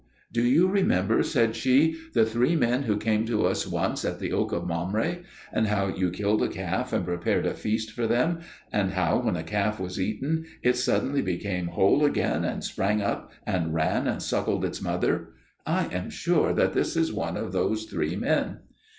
"Do you remember," said she, "the three men who came to us once at the oak of Mamre; and how you killed a calf and prepared a feast for them; and how when the calf was eaten, it suddenly became whole again and sprang up and ran and suckled its mother? I am sure that this is one of those three men."